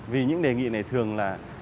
vì những đề nghị này thường là